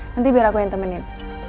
nanti biar aku yang temenin